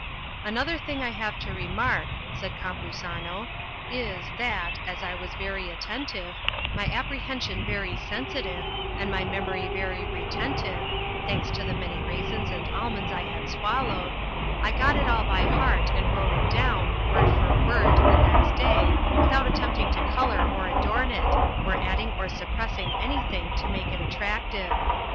Another thing I have to remark, said Campuzano, is, that, as I was very attentive, my apprehension very sensitive, and my memory very retentive (thanks to the many raisins and almonds I had swallowed), I got it all by heart, and wrote it down, word for word, the next day, without attempting to colour or adorn it, or adding or suppressing anything to make it attractive.